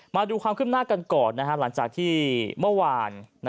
มาดูความขึ้นหน้ากันก่อนหลังจากที่เมื่อวาน